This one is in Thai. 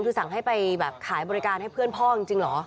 คือสั่งให้ไปแบบขายบริการให้เพื่อนพ่อจริงเหรอ